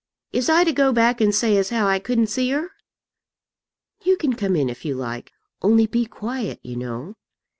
Is I to go back and say as how I couldn't see her?" "You can come in if you like; only be quiet, you know."